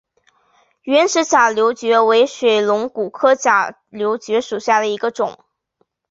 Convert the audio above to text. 圆齿假瘤蕨为水龙骨科假瘤蕨属下的一个种。